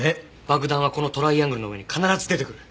爆弾はこのトライアングルの上に必ず出てくる。